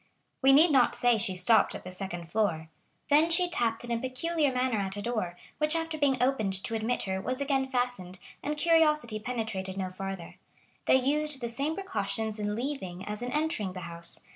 We need not say she stopped at the first floor. Then she tapped in a peculiar manner at a door, which after being opened to admit her was again fastened, and curiosity penetrated no farther. They used the same precautions in leaving as in entering the house.